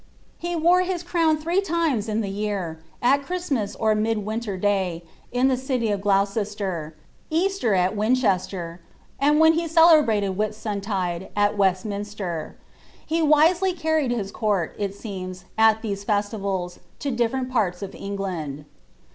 He wote hie crown three limea in the year;' al Christmas or Midwinteriiay, in (he city of Gloucester; Easter at Winchester; end when he celebrttad Whiisimtidc, at Westminster. Ue wisely cairied his court, it aeena, It these festivals, to diltreni parts of England.